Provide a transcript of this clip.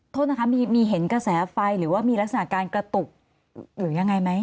โทษนะคะมีเห็นกระแสไฟหรือว่ามีลักษณะการกระตุกหรือยังไงไหม